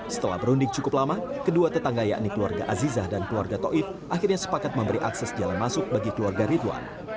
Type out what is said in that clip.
setelah berunding cukup lama kedua tetangga yakni keluarga azizah dan keluarga toib akhirnya sepakat memberi akses jalan masuk bagi keluarga ridwan